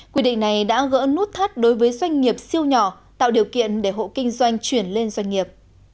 quy định này đã gỡ nút thắt đối với doanh nghiệp siêu nhỏ tạo điều kiện để hộ kinh doanh chuyển lên doanh nghiệp